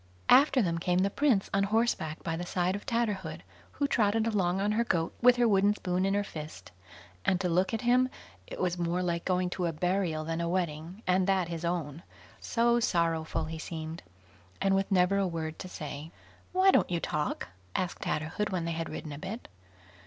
After them came the prince on horseback by the side of Tatterhood, who trotted along on her goat with her wooden spoon in her fist, and to look at him, it was more like going to a burial than a wedding, and that his own; so sorrowful he seemed, and with never a word to say. "Why don't you talk?" asked Tatterhood, when they had ridden a bit.